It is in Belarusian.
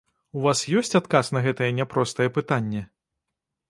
У вас ёсць адказ на гэтае няпростае пытанне?